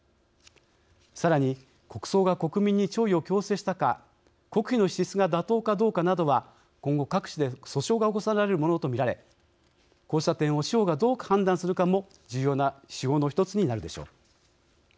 さらに国葬が国民に弔意を強制したか国費の支出が妥当かどうかなどは今後、各地で訴訟が起こされるものと見られこうした点を司法が、どう判断するかも重要な指標の１つになるでしょう。